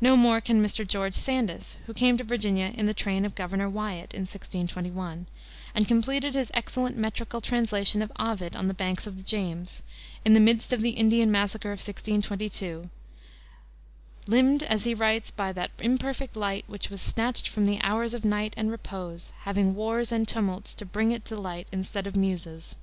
No more can Mr. George Sandys, who came to Virginia in the train of Governor Wyat, in 1621, and completed his excellent metrical translation of Ovid on the banks of the James, in the midst of the Indian massacre of 1622, "limned" as he writes "by that imperfect light which was snatched from the hours of night and repose, having wars and tumults to bring it to light instead of the muses."